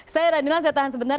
saya ranila saya tahan sebentar